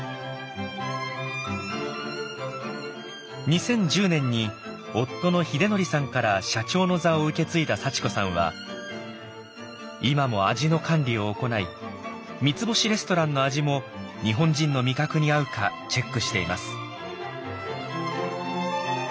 今では２０１０年に夫の秀則さんから社長の座を受け継いだ幸子さんは今も味の管理を行い三つ星レストランの味も日本人の味覚に合うかチェックしています。